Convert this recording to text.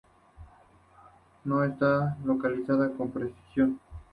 No está localizada con precisión.